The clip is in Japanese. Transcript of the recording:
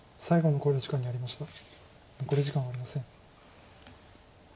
残り時間はありません。